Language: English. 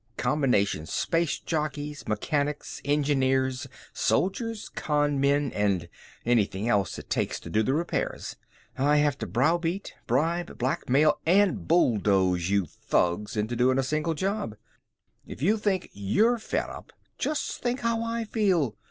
Combination space jockeys, mechanics, engineers, soldiers, con men and anything else it takes to do the repairs. I have to browbeat, bribe, blackmail and bulldoze you thugs into doing a simple job. If you think you're fed up, just think how I feel.